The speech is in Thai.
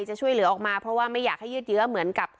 จะช่วยเหลือออกมาเพราะว่าไม่อยากให้ยืดเยอะ